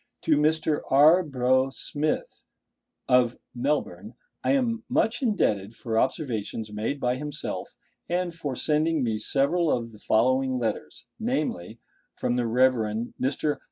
To Mr. R. Brough Smyth, of Melbourne, I am much indebted for observations made by himself, and for sending me several of the following letters, namely:—From the Rev. Mr.